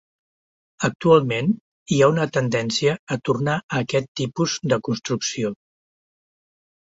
Actualment, hi ha una tendència a tornar a aquest tipus de construcció.